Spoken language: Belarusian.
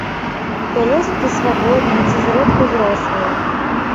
Пялёсткі свабодныя ці зрэдку зрослыя.